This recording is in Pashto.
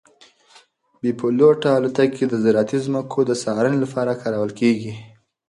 بې پیلوټه الوتکې د زراعتي ځمکو د څارنې لپاره کارول کیږي.